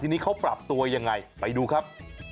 ทีนี้เขาปรับตัวยังไงไปดูครับ